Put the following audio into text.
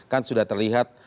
kan sudah terlihat